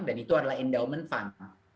dan itu adalah endowment fund